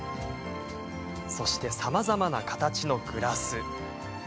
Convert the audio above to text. そして、さまざまな形のグラス。